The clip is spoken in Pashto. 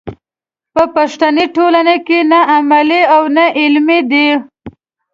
په پښتني ټولنه کې نه عملي او نه علمي دی.